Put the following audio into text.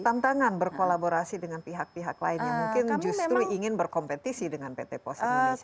tantangan berkolaborasi dengan pihak pihak lain yang mungkin justru ingin berkompetisi dengan pt pos indonesia